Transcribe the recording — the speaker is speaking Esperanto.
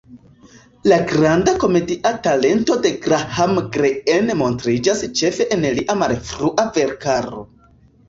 La granda komedia talento de Graham Greene montriĝas ĉefe en lia malfrua verkaro.